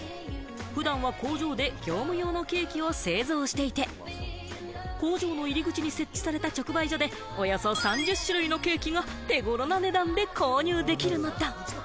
普段は工場で業務用のケーキを製造していて、工場の入り口に設置された直売所で、およそ３０種類のケーキが手頃な値段で購入できるのだ。